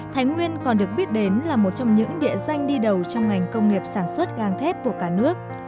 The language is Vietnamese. thái nguyên còn được biết đến là một trong những địa danh đi đầu trong ngành công nghiệp sản xuất gan thép của cả nước